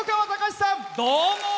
どうもー！